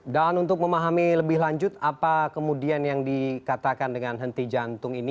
dan untuk memahami lebih lanjut apa kemudian yang dikatakan dengan henti jantung ini